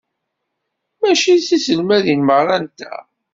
Mačči d tiselmadin merra-nteɣ.